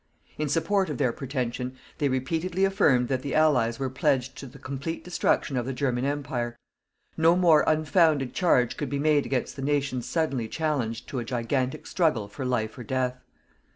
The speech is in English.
In support of their pretension, they repeatedly affirmed that the Allies were pledged to the complete destruction of the German Empire. No more unfounded charge could be made against the Nations suddenly challenged to a gigantic struggle for life or death.